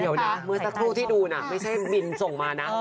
เดี๋ยวนะเมื่อสักครู่ที่ดูนะไม่ใช่บินส่งมานะ